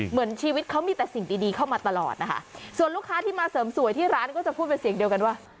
เหมือนชีวิตเขามีแต่สิ่งดีดีเข้ามาตลอดนะคะส่วนลูกค้าที่มาเสริมสวยที่ร้านก็จะพูดเป็นเสียงเดียวกันว่า